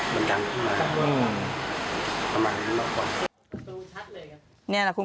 บางครรกษ์